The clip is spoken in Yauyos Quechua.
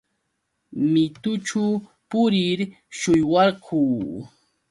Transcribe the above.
Mitućhu purir shullwarquu.